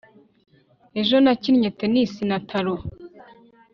ejo nakinnye tennis na taro